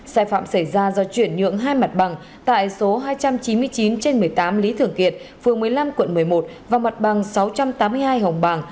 sai phạm xảy ra do chuyển nhượng hai mặt bằng tại số hai trăm chín mươi chín trên một mươi tám lý thường kiệt phường một mươi năm quận một mươi một và mặt bằng sáu trăm tám mươi hai hồng bàng